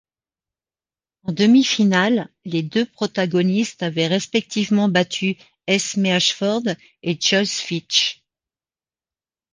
En demi-finale, les deux protagonistes avaient respectivement battu Esme Ashford et Joyce Fitch.